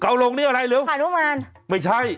เก่าลงนี่อะไรหรือว่าหันุมานไม่ใช่หันุมาน